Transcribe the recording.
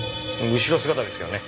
後ろ姿ですけどね。